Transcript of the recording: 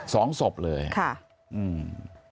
สองศพเลยค่ะอืม